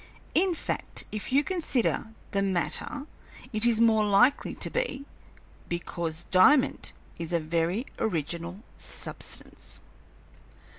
In fact, if you consider the matter, it is more likely to be, because diamond is a very original substance.